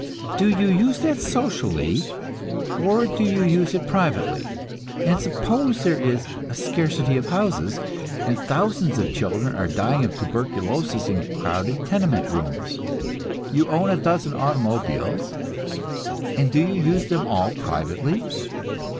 Do you use that socially, or do you use it privately? And suppose there is a scarcity of houses, and thousands of children are dying of tuberculosis in crowded tenement rooms? You own a dozen automobiles, and do you use them all privately?